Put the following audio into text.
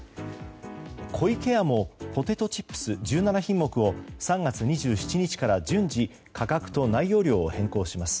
湖池屋もポテトチップス１７品目を３月２７日から順次価格と内容量を変更します。